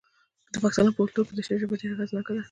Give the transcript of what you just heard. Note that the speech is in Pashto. د پښتنو په کلتور کې د شعر ژبه ډیره اغیزناکه ده.